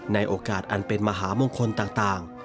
ในโอกาสอันเป็นมหามงคลต่าง